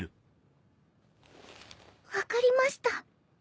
分かりました。